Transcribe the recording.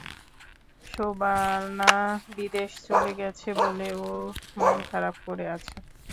শোবানা বিদেশ চলে গেছে বলে ও মন খারাপ করে আছে।